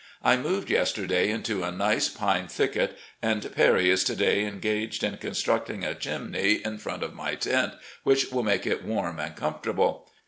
. I moved yesterday into a nice pine thicket, and Perry is to day engaged in constructing a chimney in front of my tent, which will make it warm and com fortable.